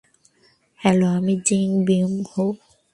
Hello, আমি Jung বিউং-হো।